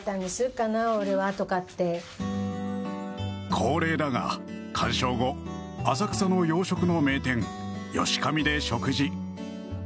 恒例だが鑑賞後浅草の洋食の名店、ヨシカミで食事。